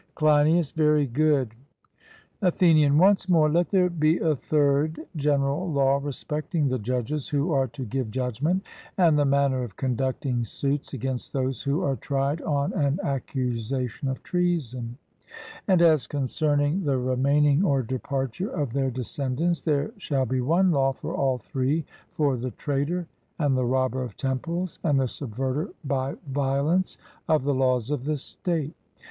CLEINIAS: Very good. ATHENIAN: Once more let there be a third general law respecting the judges who are to give judgment, and the manner of conducting suits against those who are tried on an accusation of treason; and as concerning the remaining or departure of their descendants there shall be one law for all three, for the traitor, and the robber of temples, and the subverter by violence of the laws of the state.